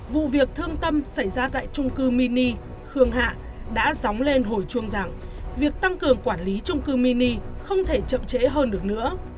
vụ việc thương tâm xảy ra tại chung cư mini đã dóng lên hồi chuông rằng việc tăng cường quản lý chung cư mini không thể chậm trễ hơn được nữa